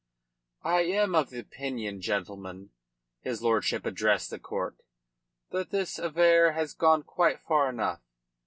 "I am of opinion, gentlemen," his lordship addressed the court, "that this affair has gone quite far enough.